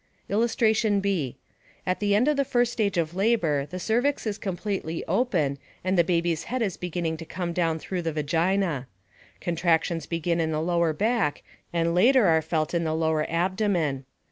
] [Illustration: B. At the end of the first stage of labor the cervix is completely open and the baby's head is beginning to come down through the vagina. Contractions begin in the lower back and later are felt in the lower abdomen.